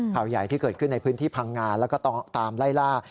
ข่าวใหญ่ที่เกิดขึ้นในพื้นที่พังงาแล้วก็ต้องตามไล่ล่า